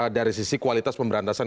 dari sisi kualitas pemberantasan